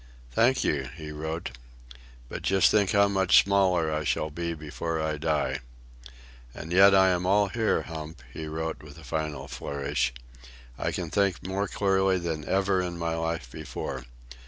"Thank you," he wrote. "But just think of how much smaller I shall be before I die." "And yet I am all here, Hump," he wrote with a final flourish. "I can think more clearly than ever in my life before.